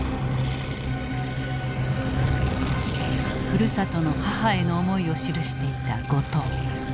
ふるさとの母への思いを記していた後藤。